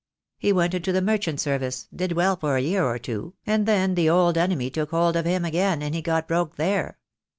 He went into the merchant service — did well for a year or two, and then the old enemy took hold of him again, and he got broke there.